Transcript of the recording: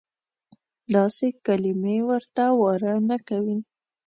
داسې کلیمې ورته واره نه کوي.